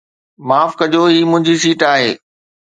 معاف ڪجو، هي منهنجي سيٽ آهي